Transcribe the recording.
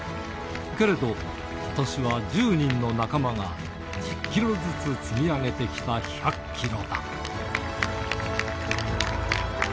けれど、ことしは１０人の仲間が１０キロずつ積み上げてきた１００キロだ。